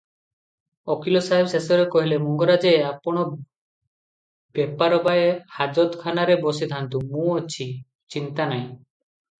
ଓକିଲ ସାହେବ ଶେଷରେ କହିଲେ -"ମଙ୍ଗରାଜେ! ଆପଣ ବେପାରବାଏ ହାଜତଖାନାରେ ବସିଥାନ୍ତୁ, ମୁଁ ଅଛି, ଚିନ୍ତା ନାହିଁ ।"